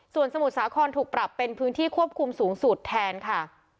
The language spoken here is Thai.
ส่วนสมุทรสาครถูกปรับเป็นพื้นที่ควบคุมสูงสุดแทนค่ะ